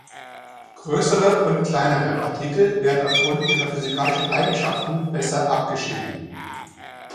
Größere "und kleinere" Partikel werden aufgrund ihrer physikalischen Eigenschaften besser abgeschieden.